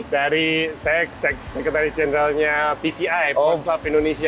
dari sekretari generalnya pci post club indonesia